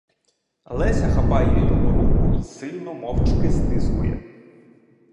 Леся хапає його руку й сильно мовчки стискує.